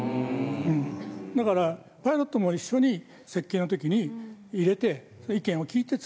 だからパイロットも一緒に設計の時に入れて意見を聞いて造る。